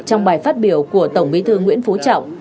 trong bài phát biểu của tổng bí thư nguyễn phú trọng